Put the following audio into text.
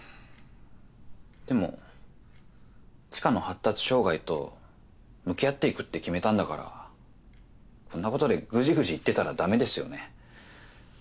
でも知花の発達障害と向き合っていくって決めたんだからこんなことでグジグジ言ってたら駄目ですよね。